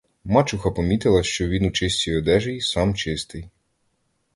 Мачуха помітила, що він у чистій одежі й сам чистий.